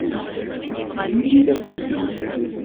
Ssken-iyi-d afus-nnem.